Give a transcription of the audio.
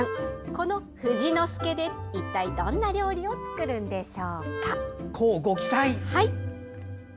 この富士の介で一体どんな料理を作るんでしょうか。